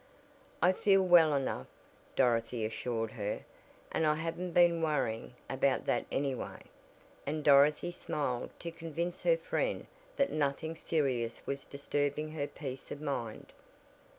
"I feel well enough," Dorothy assured her, "and I haven't been worrying about that any way," and Dorothy smiled to convince her friend that nothing serious was disturbing her peace of mind.